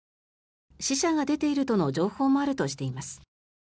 死者が出ているとの情報もあるとしています。